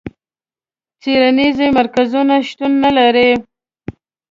څېړنیز مرکزونه شتون نه لري.